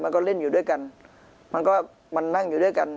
แล้วก็เล่นอยู่ด้วยกันมันก็มันนั่งอยู่ด้วยกัน